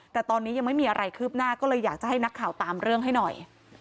แต่ตอนนี้ยังไม่มีอะไรคืบหน้าก็เลยอยากจะให้นักข่าวตามเรื่องให้หน่อย